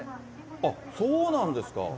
あっ、そうなんですか。